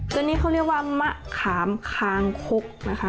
ตัวนี้เขาเรียกว่ามะขามคางคกนะคะ